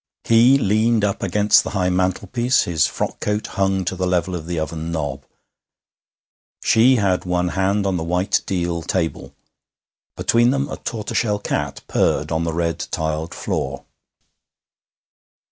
He leaned up against the high mantelpiece; his frock coat hung to the level of the oven knob. She had one hand on the white deal table. Between them a tortoiseshell cat purred on the red tiled floor.